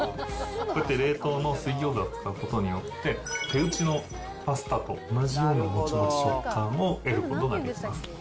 冷凍の水餃子を使うことによって、手打ちのパスタと同じようなもちもち食感を得ることができます。